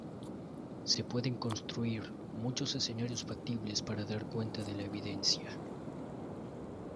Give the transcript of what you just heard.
Se pueden construir muchos escenarios factibles para dar cuenta de la evidencia.